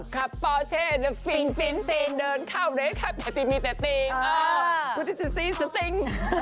ขับแล้วฟินฟินฟินเดินข้าวเรทภาพแห่งที่มีแต่ตีน